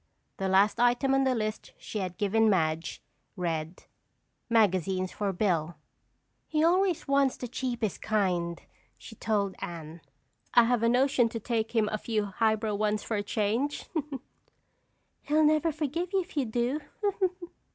The last item on the list she had given Madge, read: "magazines for Bill." "He always wants the cheapest kind," she told Anne. "I have a notion to take him a few high brow ones for a change." "He'll never forgive you if you do."